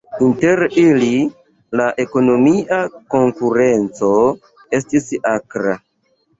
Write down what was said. Inter ili, la ekonomia konkurenco estis akra.